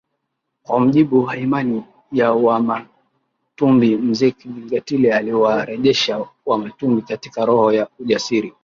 Kwa mjibu wa imani ya Wamatumbi mzee Kinjekitile aliwarejesha Wamatumbi katika roho ya ujasiri